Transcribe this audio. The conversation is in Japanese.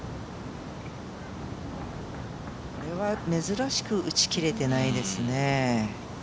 これは珍しく打ち切れていないですね。